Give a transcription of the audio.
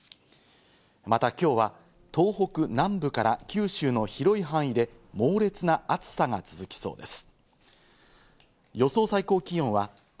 また、今日は東北南部から九州の広い範囲で猛烈な暑さが続きそうです。